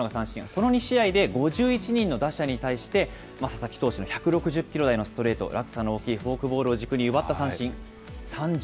この２試合で５１人の打者に対して、佐々木投手の１６０キロ台のストレート、落差の大きいフォークボールを軸に奪った三振、３３